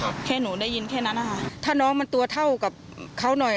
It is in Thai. แค่หนูได้ยินแค่นั้นนะคะถ้าน้องมันตัวเท่ากับเขาหน่อย